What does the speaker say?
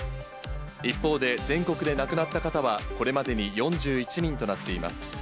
一方で、全国で亡くなった方はこれまでに４１人となっています。